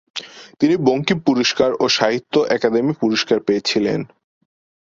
তিনি বঙ্কিম পুরস্কার ও সাহিত্য অকাদেমি পুরস্কার পেয়েছিলেন।